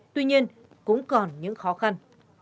tuy nhiên cũng còn những khó khăn